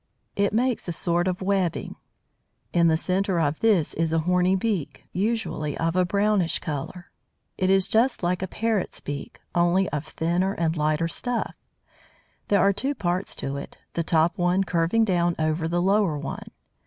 It makes a sort of webbing. In the centre of this is a horny beak, usually of a brownish colour. It is just like a parrot's beak, only of thinner and lighter stuff. There are two parts to it, the top one curving down over the lower one.